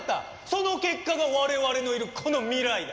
その結果が我々のいるこの未来だ。